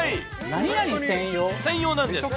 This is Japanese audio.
何々専用？